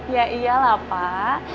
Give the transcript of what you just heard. ya iyalah pak